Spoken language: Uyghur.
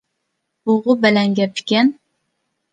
بۇغۇ بەلەن گەپ ئىكەن.